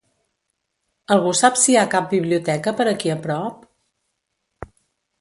Algú sap si hi ha cap biblioteca per aquí a prop?